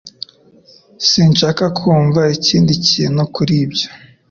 Sinshaka kumva ikindi kintu kuri ibyo.